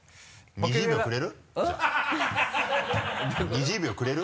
２０秒くれる？